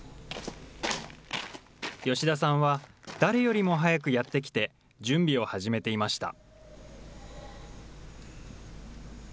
吉田さんは、誰よりも早くやって来て、準備を始めていました。